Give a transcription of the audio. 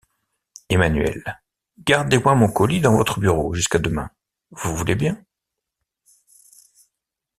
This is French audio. Emmanuelle, gardez-moi mon colis dans votre bureau jusqu’à demain, vous voulez bien ?